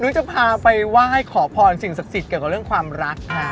จะพาไปไหว้ขอพรสิ่งศักดิ์สิทธิ์เกี่ยวกับเรื่องความรักค่ะ